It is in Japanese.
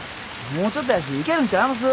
もうちょっとやしいけるんちゃいます？